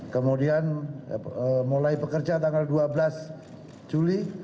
kemudian mulai bekerja tanggal dua belas juli